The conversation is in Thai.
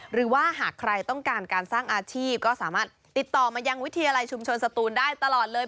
หรือว่าหากใครต้องการการสร้างอาชีพก็สามารถติดต่อมายังวิทยาลัยชุมชนสตูนได้ตลอดเลย